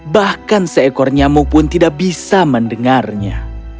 bahkan seekor nyamuk pun tidak bisa mendengarnya